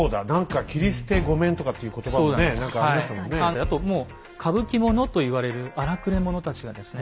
あと「傾奇者」と言われる荒くれ者たちがですね